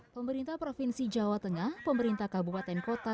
pemerintah provinsi jawa tengah pemerintah kabupaten kota